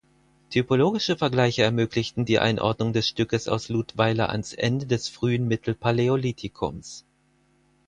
Typologische Vergleiche ermöglichten die Einordnung des Stückes aus Ludweiler ans Ende des frühen Mittelpaläolithikums.